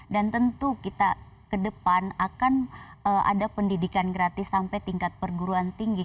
dan tentu kita ke depan akan ada pendidikan gratis sampai tingkat perguruan tinggi